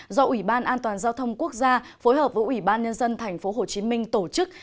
do ủy ban an toàn giao thông quốc gia phối hợp với ủy ban nhân dân tp hcm tổ chức